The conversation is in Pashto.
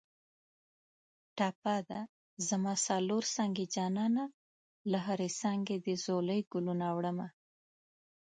ټپه ده: زما څلور څانګې جانانه له هرې څانګې دې ځولۍ ګلونه وړمه